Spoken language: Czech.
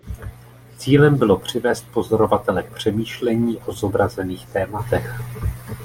Cílem bylo přivést pozorovatele k přemýšlení o zobrazených tématech.